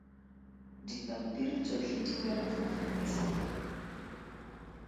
Dipampiri tsotlhe di wela fa fatshe.